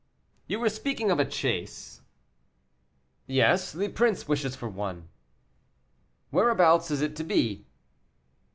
"You were speaking of a chase." "Yes, the prince wishes for one." "Whereabouts is it to be?"